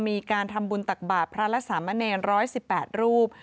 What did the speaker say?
มีการทำบุญตักบาดพระลักษมณีรร้อยสิบแปดรูป